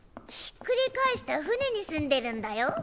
ひっくり返した船に住んでるんだよ。